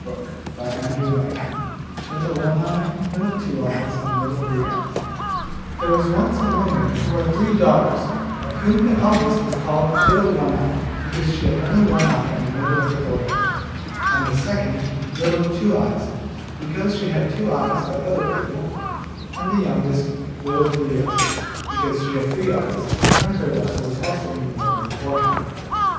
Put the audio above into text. Nonchalante et Papillon LITTLE ONE EYE, LITTLE TWO EYES, AND LITTLE THREE EYES There was once a woman who had three daughters, of whom the eldest was called Little One eye, because she had only one eye in the middle of her forehead; and the second, Little Two eyes, because she had two eyes like other people; and the youngest, Little Three eyes, because she had three eyes, and her third eye was also in the middle of her forehead.